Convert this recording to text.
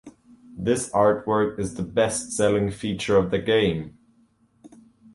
This artwork is the best selling feature of the game.